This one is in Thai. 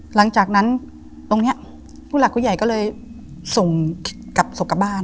หลังจากนั้นตรงนี้ผู้หลักผู้ใหญ่ก็เลยส่งกลับศพกลับบ้าน